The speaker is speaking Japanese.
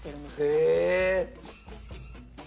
へえ。